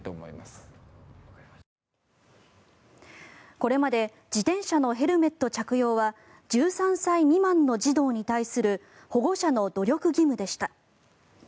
これまで自転車のヘルメット着用は１３歳未満の児童に対する保護者の努力義務でした。